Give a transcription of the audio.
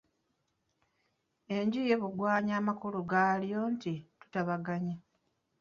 Enju ye Bugwanya amakulu gaalyo nti tutabaganye.